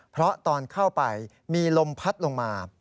เพราะตอนเข้าไปมีลมพัดลงมา